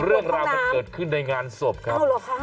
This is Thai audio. เรื่องราวมันเกิดขึ้นในงานศพครับ